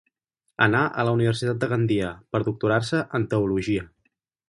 Anà a la Universitat de Gandia per doctorar-se en teologia.